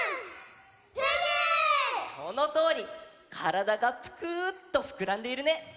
からだがぷくっとふくらんでいるね。